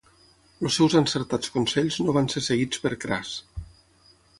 Els seus encertats consells no van ser seguits per Cras.